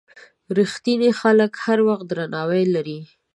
رښتیني خلک هر وخت درناوی لري.